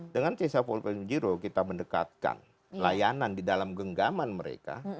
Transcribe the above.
dengan cesa empat kita mendekatkan layanan di dalam genggaman mereka